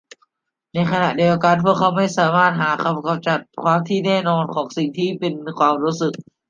ในขณะเดียวกันพวกเขาไม่สามารถหาคำจำกัดความที่แน่นอนของสิ่งที่เป็นความรู้สึก